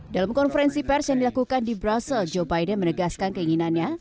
dalam konferensi pers yang dilakukan di brazil joe biden menegaskan keinginannya